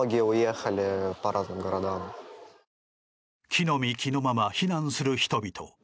着の身着のまま避難する人々。